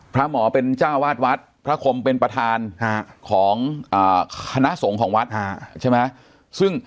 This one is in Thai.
พระหมอเป็นจ้าวาดวัดพระคมเป็นประธานของคณะสงฆ์ของวัดใช่ไหม